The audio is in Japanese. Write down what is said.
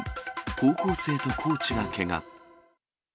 高校生とコーチがけが。